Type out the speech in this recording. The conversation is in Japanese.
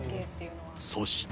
そして。